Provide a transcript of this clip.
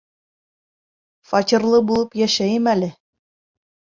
Фатирлы булып йәшәйем әле.